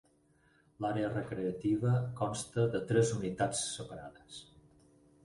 L'àrea recreativa consta de tres unitats separades.